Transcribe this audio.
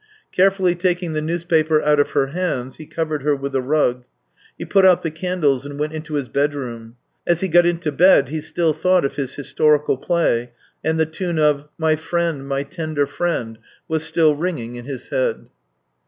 Carefully taking the newspaper out of her hands, he covered her with a rug. He put out the candles and went into his bedroom. As he got into bed, he still thought of his historical play, and the tune of " My friend, my tender friend " was still ringing in his head.